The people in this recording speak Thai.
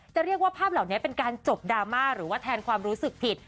จะเรียกว่าภาพเหล่านี้เป็นการจบดราม่าหรือว่าแทนความรู้สึกผิด